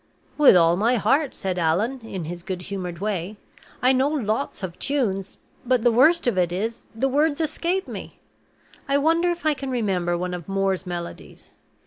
"With all my heart," said Allan, in his good humored way. "I know lots of tunes, but the worst of it is, the words escape me. I wonder if I can remember one of Moore's Melodies?